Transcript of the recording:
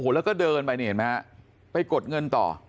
แล้วก็เดินไปนี่เห็นไหมฮะไปกดเงินต่อ